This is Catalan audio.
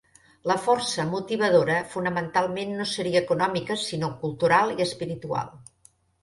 La força motivadora fonamental no seria econòmica sinó cultural i espiritual.